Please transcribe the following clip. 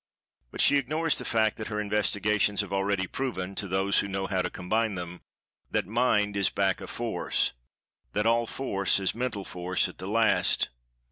But she ignores the fact that her investigations have already proven (to those who know how to combine them) that Mind is back of Force—that all Force is Mental Force, at the last.